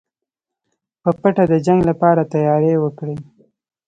په پټه د جنګ لپاره تیاری وکړئ.